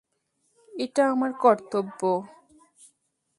এটা আমার কর্তব্য।